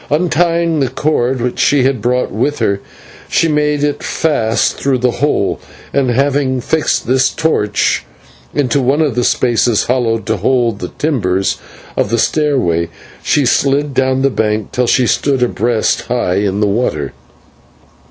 Untying the cord which she had brought with her, she made it fast through the hole, and, having fixed the torch into one of the spaces hollowed to hold the timbers of the stairway, she slid down the bank till she stood breast high in the water.